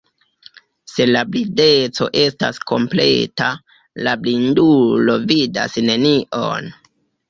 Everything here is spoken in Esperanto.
Se la blindeco estas kompleta, la blindulo vidas nenion.